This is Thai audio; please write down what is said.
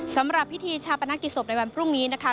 สำหรับพิธีชาปนกิจศพในวันพรุ่งนี้นะคะ